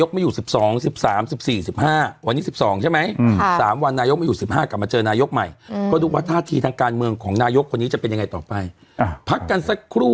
มันมันมีส่งผลไม่ส่งผลมันมีส่งผลกับใจมันไม่ได้การพูด